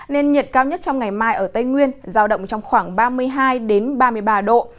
nên nhiệt cao nhất trong ngày mai ở tây nguyên giao động trong khoảng ba mươi hai ba mươi ba độ